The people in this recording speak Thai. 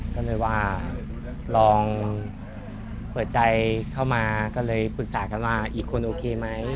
ก็เลยว่าลองเปิดใจเข้ามาก็เลยปรึกษากันว่าอีกคนโอเคไหม